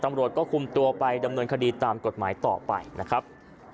ตำรวจก็คุมตัวไปดำเนินคดีตามกฎหมายต่อไปนะครับ